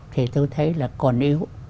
thì tôi thấy là còn yếu